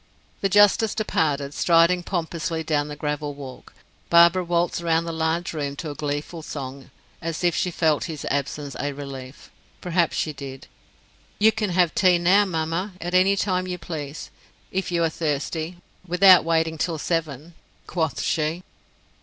The justice departed, striding pompously down the gravel walk. Barbara waltzed round the large room to a gleeful song, as if she felt his absence a relief. Perhaps she did. "You can have tea now, mamma, at any time you please, if you are thirsty, without waiting till seven," quoth she.